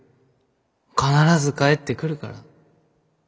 必ず帰ってくるから。